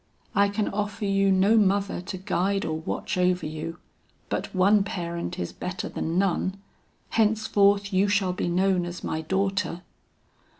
I can offer you no mother to guide or watch over you, but one parent is better than none. Henceforth you shall be known as my daughter."